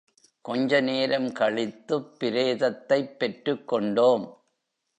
கொஞ்சநேரம் கழித்துப் பிரேதத்தைப் பெற்றுக்கொண்டோம்.